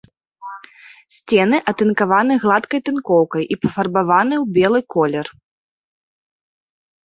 Сцены атынкаваны гладкай тынкоўкай і пафарбаваны ў белы колер.